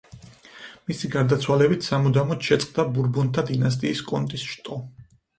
მისი გარდაცვალებით სამუდამოდ შეწყდა ბურბონთა დინასტიის კონტის შტო.